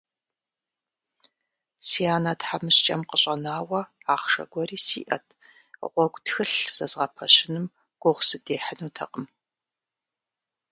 Си анэ тхьэмыщкӀэм къыщӀэнауэ ахъшэ гуэри сиӀэт – гъуэгу тхылъ зэзгъэпэщыным гугъу сыдехьынутэкъым…